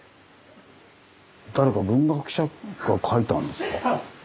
誰か文学者が書いたんですか？